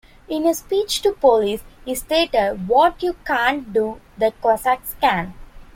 In a speech to police he stated, What you can't do, the Cossacks can.